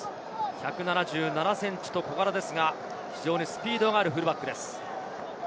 １７７ｃｍと小柄ですが、非常にスピードがあるフルバックです。